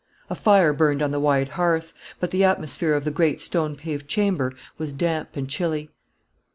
A fire burned on the wide hearth; but the atmosphere of the great stone paved chamber was damp and chilly.